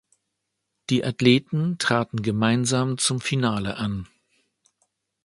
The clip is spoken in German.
Die Athleten traten gemeinsam zum Finale an.